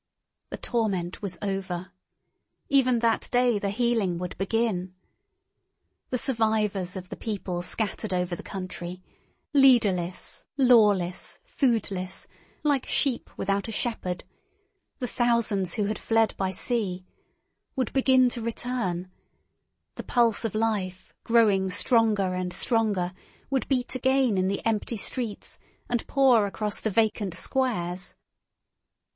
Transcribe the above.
The torment was over. Even that day the healing would begin. The survivors of the people scattered over the country—leaderless, lawless, foodless, like sheep without a shepherd—the thousands who had fled by sea, would begin to return; the pulse of life, growing stronger and stronger, would beat again in the empty streets and pour across the vacant squares.